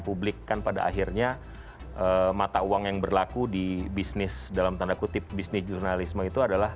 publik kan pada akhirnya mata uang yang berlaku di bisnis dalam tanda kutip bisnis jurnalisme itu adalah